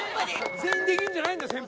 全員できるんじゃないんだ先輩。